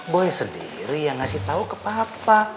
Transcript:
boy sendiri yang ngasih tahu ke papa